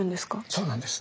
そうなんです。